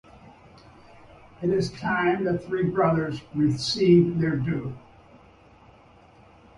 It is time the three brothers received their due.